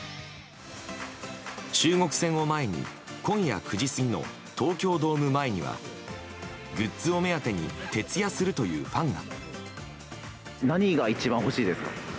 中国戦を前に今夜９時過ぎの東京ドーム前にはグッズを目当てに徹夜するというファンが。